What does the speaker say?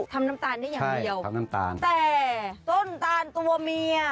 ทำน้ำตาลได้อย่างเยี่ยวแต่ต้นตาลตัวเมีย